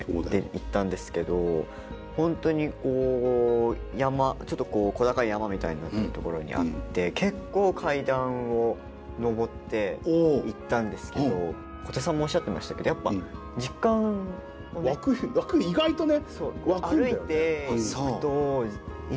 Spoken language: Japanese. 行ったんですけど本当にこうちょっと小高い山みたいになってる所にあって結構階段を上って行ったんですけど小手さんもおっしゃってましたけどやっぱ実感をね。湧く意外とね湧くんだよね。